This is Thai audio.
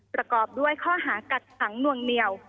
ประกอบด้วยข้อหากักขังนวงเหนียว